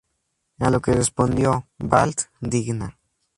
A lo que respondió: "Vall digna".